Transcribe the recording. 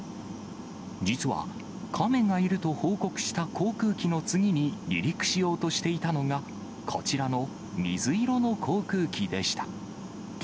実はカメがいると報告した航空機の次に離陸しようとしていたのが、こちらの水色の航空機でした。